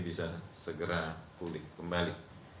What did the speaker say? bisa segera pulih kembali